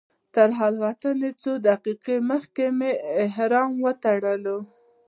تر الوتنې څو دقیقې مخکې مې احرام وتړلو.